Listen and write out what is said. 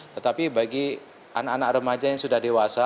tetapi bagi anak anak remaja yang sudah dewasa